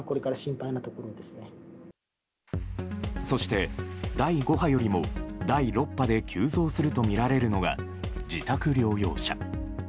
そして、第５波よりも第６波で急増するとみられるのが自宅療養者。